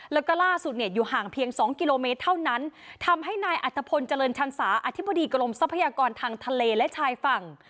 แล้วก็ล่าสุดเนี่ยอยู่ห่างเพียงสองกิโลเมตรเท่านั้นทำให้นายอัตภพลเจริญชันสาอธิบดีกรมทรัพยากรทางทะเลและชายฝั่ง